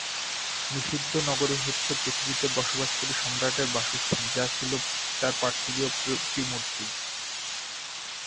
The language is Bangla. নিষিদ্ধ নগরী হচ্ছে পৃথিবীতে বসবাসকারী সম্রাটের বাসস্থান, যা ছিল তার পার্থিব প্রতিমূর্তি।